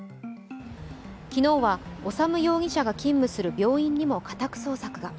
昨日は修容疑者が勤務する病院にも家宅捜索が。